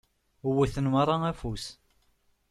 Wwten meṛṛa afus.